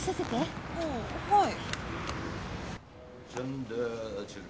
ああはい。